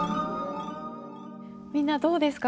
みんなどうですか？